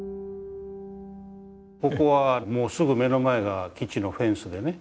ここはもうすぐ目の前が基地のフェンスでね